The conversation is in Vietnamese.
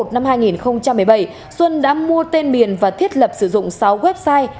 năm hai nghìn một mươi bảy xuân đã mua tên miền và thiết lập sử dụng sáu website